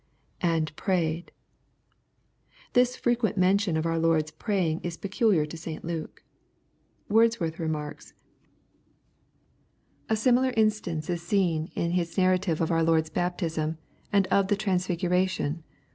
[and prayed.] This frequent mention of our Lof d's praying is peculiar to St Luke. Wordsworth remarks, "a similar instanoa LUKE. OHAP. V. 141 IB seen in nis narrative of our Lord's baptism, and uf the trans figuration.